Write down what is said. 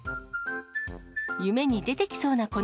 夢に出てきそうな